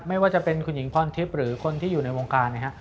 ไม่ว่าจะเป็นคุณหญิงพรทิพย์หรือคนที่อยู่ในวงการนะครับ